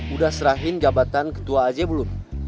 udah serahin gabatan ketua aj belum